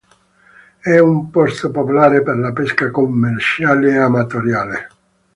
È un posto popolare per la pesca commerciale e amatoriale.